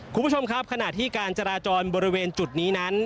คุณผู้ชมครับขณะที่การจราจรบริเวณจุดนี้นั้น